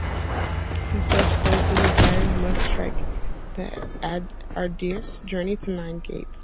As such those who desire it must trek the arduous journey to Nine Gates.